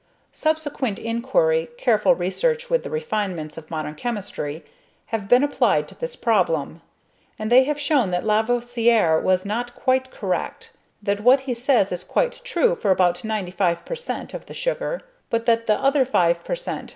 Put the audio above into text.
Subsequent inquiry, careful research with the refinements of modern chemistry, have been applied to this problem, and they have shown that Lavoisier was not quite correct; that what he says is quite true for about 95 per cent. of the sugar, but that the other 5 per cent.